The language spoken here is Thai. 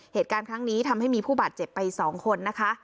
เหตุการณ์ครั้งนี้ทำให้มีผู้บาดเจ็บไป๒คนนะคะ